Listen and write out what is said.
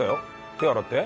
手洗って？